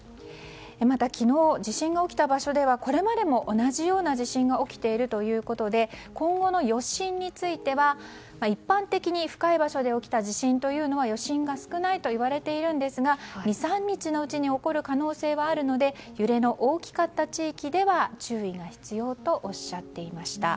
また昨日、地震が起きた場所ではこれまでも同じような地震が起きているということで今後の余震については一般的に深い場所で起きた地震というのは余震が少ないといわれているんですが２３日のうちに起こる可能性はあるので揺れの大きかった地域では注意が必要とおっしゃっていました。